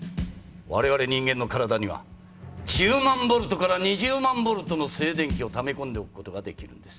我々人間の体には１０万ボルトから２０万ボルトの静電気をため込んでおくことができるんです。